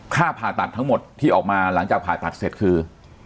ค่าผ่าตัดทั้งหมดที่ออกมาหลังจากผ่าตัดเสร็จคือ